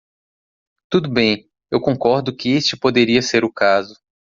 Tudo bem, eu concordo que este poderia ser o caso.